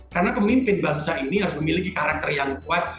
karena pemimpin bangsa ini harus memiliki karakter yang kuat